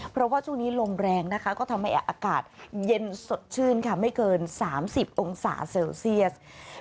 เพราะว่าช่วงนี้ลมแรงนะคะก็ทำให้อากาศเย็นสดชื่นค่ะไม่เกิน๓๐องศาเซลเซียส